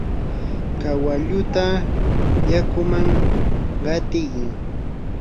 kawalluta yakuman qatiy.